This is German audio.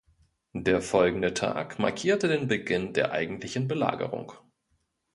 Der folgende Tag markierte den Beginn der eigentlichen Belagerung.